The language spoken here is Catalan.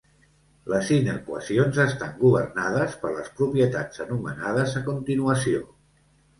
Les inequacions estan governades per les propietats anomenades a continuació.